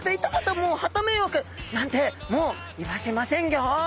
もうハタ迷惑なんてもう言わせませんギョ！